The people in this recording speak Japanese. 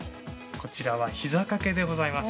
◆こちらはひざかけでございます。